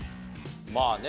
まあね